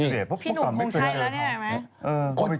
พี่หนูคงใช้แล้วนี่เห็นไหม